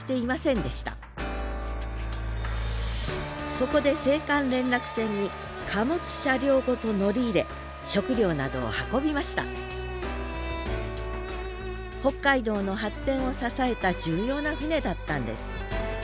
そこで青函連絡船に貨物車両ごと乗り入れ食料などを運びました北海道の発展を支えた重要な船だったんです。